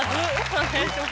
お願いします。